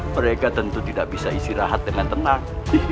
mereka tentu tidak bisa istirahat dengan tenang